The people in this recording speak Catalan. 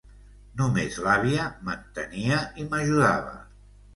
Només l'àvia m'entenia i m'ajudava.